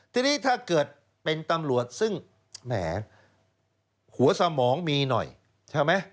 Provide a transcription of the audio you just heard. ทีนี้ถ้าเกิดเป็นตำรวจซึ่งแหมหัวสมองมีหน่อยใช่ไหม